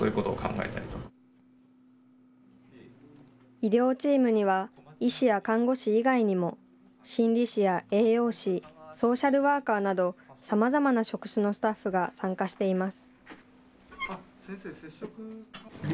医療チームには、医師や看護師以外にも、心理士や栄養士、ソーシャルワーカーなど、さまざまな職種のスタッフが参加しています。